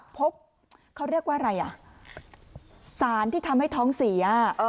พบเขาเรียกว่าอะไรอ่ะสารที่ทำให้ท้องเสีย